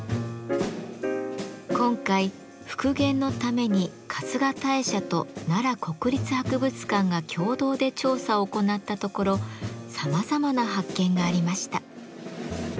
今回復元のために春日大社と奈良国立博物館が共同で調査を行ったところさまざまな発見がありました。